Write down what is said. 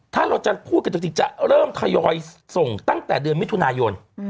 ถ้าเราจะพูดกันจริงจะเริ่มทยอยส่งตั้งแต่เดือนมิถุนายน